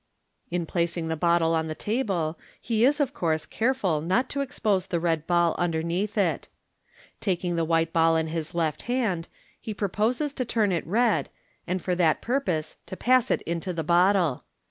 In placing the bottle on the table, he is of course careful not to expose the red ball underneath it Taking the white ball in his left hand, he proposes to turn it red, and for that purpose to pass it into the bottle.